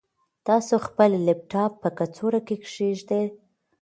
تاسو خپل لپټاپ په کڅوړه کې کېږدئ.